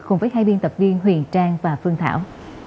cùng với hai biên tập viên huyền trang và phương thảo